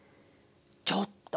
ちょっと！